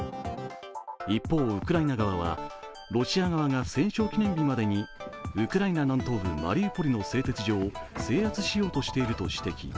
一方、ウクライナ側はロシア側が戦勝記念日までにウクライナ南東部マリウポリの製鉄所を制圧しようとしていると指摘。